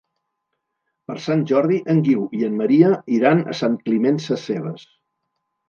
Per Sant Jordi en Guiu i en Maria iran a Sant Climent Sescebes.